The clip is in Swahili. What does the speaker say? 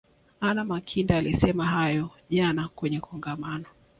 anna makinda alisema hayo jana kwenye kongamano